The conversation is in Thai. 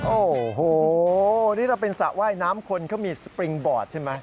โอ้โหนี่ถ้าเป็นสระว่ายน้ำคนเขามีสปริงบอร์ดใช่ไหม